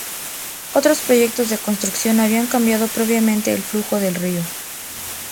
Otros proyectos de construcción habían cambiado previamente el flujo del río.